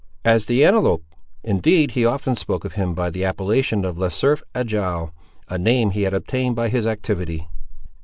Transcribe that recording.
"As the antelope! Indeed, he often spoke of him by the appellation of Le Cerf Agile, a name he had obtained by his activity."